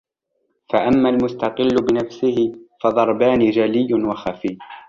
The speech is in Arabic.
فَأَمَّا الْمُسْتَقِلُّ بِنَفْسِهِ فَضَرْبَانِ جَلِيٌّ وَخَفِيٌّ